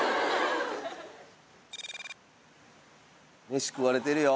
飯食われてるよ。